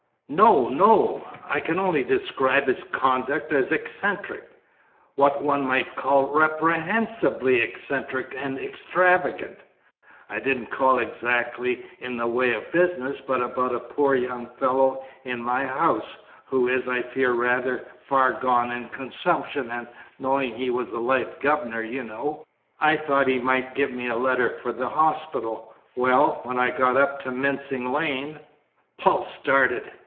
"No, no! I can only describe his conduct as eccentric what one might call reprehensibly eccentric and extravagant. I didn't call exactly in the way of business, but about a poor young fellow in my house, who is, I fear, rather far gone in consumption, and, knowing he was a Life Governor, y'know, I thought he might give me a letter for the hospital. Well, when I got up to Mincing Lane " Paul started.